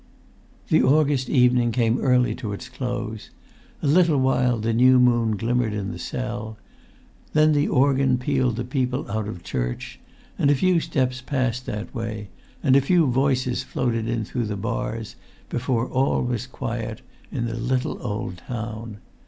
The August evening came early to its close; a little while the new moon glimmered in the cell; then the organ pealed the people out of church, and a few steps passed that way, and a few voices floated in through the bars, before all was quiet in the little old town.